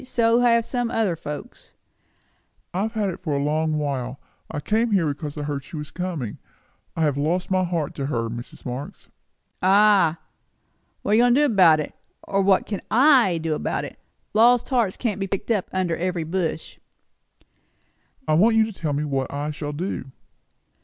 So have some other folks." "I have had it for a long while. I came here because I heard she was coming. I have lost my heart to her, Mrs. Marx." "Ah! What are you going to do about it? or what can I do about it? Lost hearts can't be picked up under every bush." "I want you to tell me what I shall do."